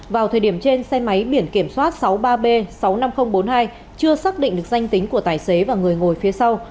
vào thời điểm trên xe máy biển kiểm soát sáu mươi ba b sáu mươi năm nghìn bốn mươi hai chưa xác định được danh tính của tài xế và người ngồi phía sau